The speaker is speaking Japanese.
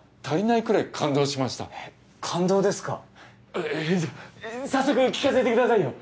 えじゃあ早速聞かせてくださいよ！